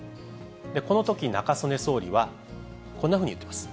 このとき、中曽根総理はこんなふうに言ってます。